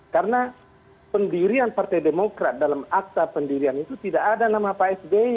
karena pendirian partai demokrat dalam akta pendirian itu tidak ada nama pak sd